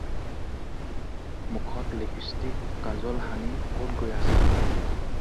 মুখত লিপ্ষ্টিক, কাজল সানি ক'ত গৈ আছা।